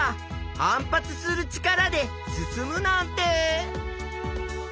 反発する力で進むなんて！